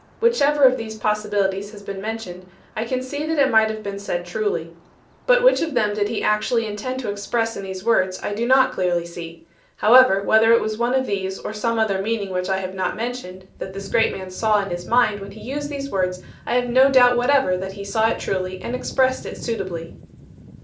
Whichever of these possibilities has been mentioned I can see that it might have been said truly. But which of them he did actually intend to express in these words I do not clearly see. However, whether it was one of these or some other meaning which I have not mentioned that this great man saw in his mind when he used these words I have no doubt whatever that he saw it truly and expressed it suitably.